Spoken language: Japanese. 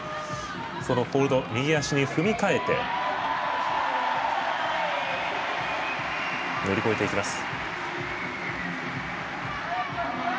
そのホールド、右足に踏みかえて乗り越えていきます。